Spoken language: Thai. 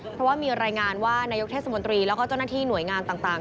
เพราะว่ามีรายงานว่านายกเทศมนตรีแล้วก็เจ้าหน้าที่หน่วยงานต่าง